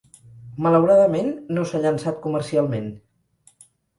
Malauradament, no s'ha llançat comercialment.